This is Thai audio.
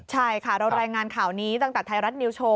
ใช่ค่ะเรารายงานข่าวนี้ตั้งแต่ไทยรัฐนิวโชว